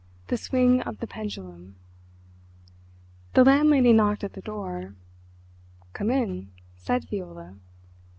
THE SWING OF THE PENDULUM The landlady knocked at the door. "Come in," said Viola.